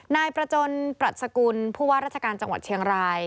นายประจนปรัชกุลผู้ว่าราชการจังหวัดเชียงราย